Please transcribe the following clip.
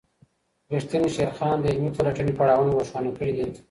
ریښتین شیرخان د علمي پلټني پړاوونه روښانه کړي دي.